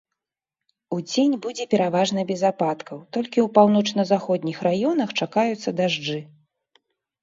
Удзень будзе пераважна без ападкаў, толькі ў паўночна-заходніх раёнах чакаюцца дажджы.